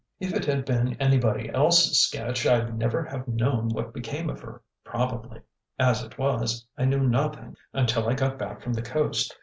If it had been anybody else's sketch, I'd never have known what became of her, probably. As it was, I knew nothing until I got back from the Coast....